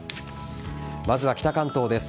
まずは北関東です。